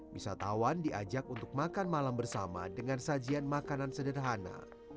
wisatawan diajak untuk makan malam bersama dengan sajian makanan sederhana